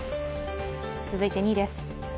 続いて２位です。